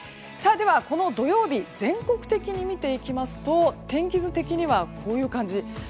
では、この土曜日全国的に見ていきますと天気図的にはこういう感じ。